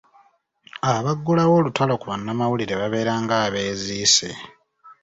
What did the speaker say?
Abaggulawo olutalo ku bannamawulire babeera ng’abeeziise.